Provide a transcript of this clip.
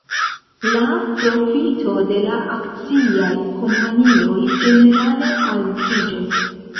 La profito de la akciaj kompanioj ĝenerale altiĝos.